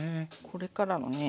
これからのね